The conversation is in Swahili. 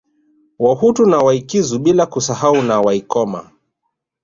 Wahutu na Waikizu bila kusahau na Waikoma